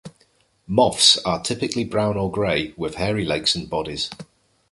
Moths are typically brown or grey, with hairy legs and bodies.